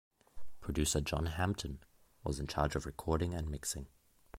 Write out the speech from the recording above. Producer, John Hampton, was in charge of the recording and mixing.